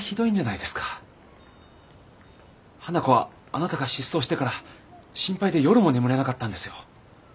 花子はあなたが失踪してから心配で夜も眠れなかったんですよ。